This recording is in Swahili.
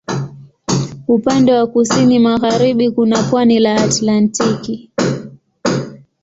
Upande wa kusini magharibi kuna pwani la Atlantiki.